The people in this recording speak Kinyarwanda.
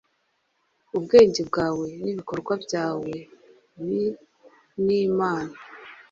Ubwenge bwawe, nibikorwa byawe bia nImana